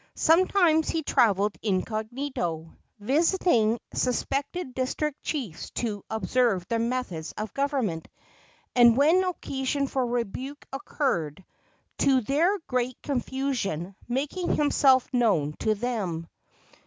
Sometimes he traveled incognito, visiting suspected district chiefs to observe their methods of government, and, when occasion for rebuke occurred, to their great confusion making himself known to them.